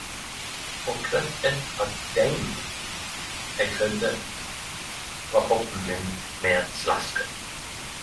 For kvart eitt av deim eg fødde vart kroppen min meir slasket.